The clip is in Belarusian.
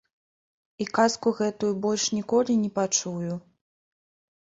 І казку гэтую больш ніколі не пачую.